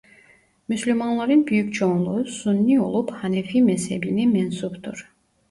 Müslümanların büyük çoğunluğu Sünni olup Hanefi mezhebine mensuptur.